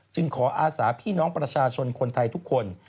ขออาสาพี่น้องประชาชนคนไทยทุกคน